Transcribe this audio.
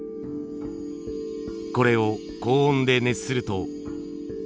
これを高温で熱すると。